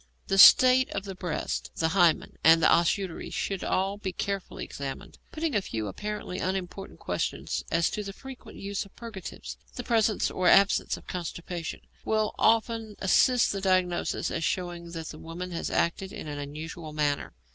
The state of the breasts, the hymen, and the os uteri, should all be carefully examined. Putting a few apparently unimportant questions as to the frequent use of purgatives, the presence or absence of constipation, will often assist the diagnosis as showing that the woman has acted in an unusual manner.